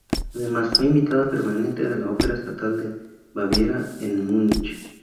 Además, fue invitada permanente de la Ópera Estatal de Baviera en Múnich.